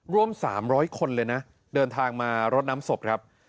ร่วม๓๐๐คนเลยนะเดินทางมารดน้ำศพครับ